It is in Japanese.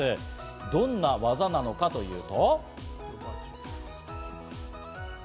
どんな技なのかというと。